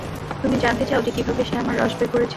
তুমি জানতে চাও যে কিভাবে সে আমার রস বের করেছে?